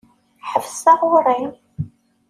Ḥbes taɣuṛi!